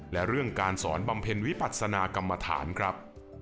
และเรื่องการสอนบำเพ็ญวิปัศนากรรมฐานครับ